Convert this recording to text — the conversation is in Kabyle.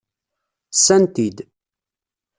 Ssan-t-id.